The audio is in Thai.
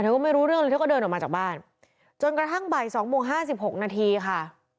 โดยไม่รู้ว่าตอนนั้นน่ะ